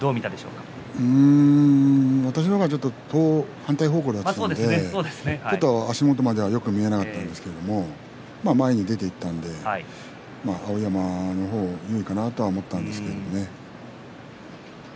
うーん私の方からは反対方向ですから足元まではよく見えなかったんですが前に出ていったので碧山の方が有利かなと思ったんですけどね。